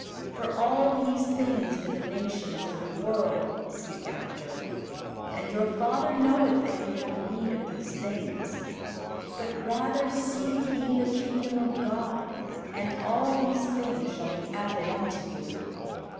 For all these things do the nations of the world seek after, and your Father knoweth that ye have need of these things. But rather seek ye the kingdom of God; and all these things shall be added unto you.